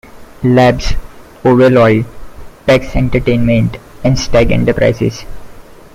Labs, Ovel Oil, Pax Entertainment, and Stagg Enterprises.